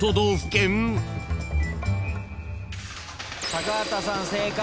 高畑さん正解。